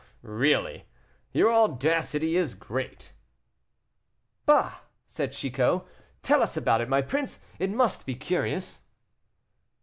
"Really! your audacity is great." "Bah!" said Chicot, "tell us about it, my prince; it must be curious."